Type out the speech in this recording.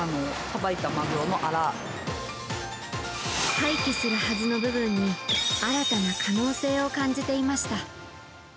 廃棄するはずの部分に新たな可能性を感じていました。